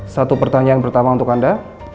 satu pertanyaan pertama untuk anda